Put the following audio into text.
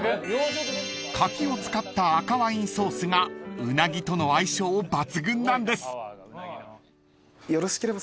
［柿を使った赤ワインソースがうなぎとの相性抜群なんです］